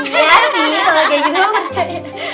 iya sih kalau kayak gitu mah percaya